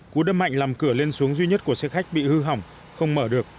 cú đâm mạnh làm cửa lên xuống duy nhất của xe khách bị hư hỏng không mở được